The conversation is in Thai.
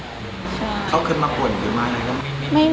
ใช่เขาคือมากกวนหรือมากกวน